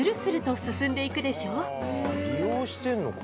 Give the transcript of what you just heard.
利用してんのか。